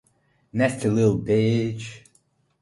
Nasty Lil bitch!